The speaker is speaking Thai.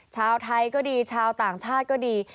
ชาวไทยก็ดีชาวต่างชาติก็ดี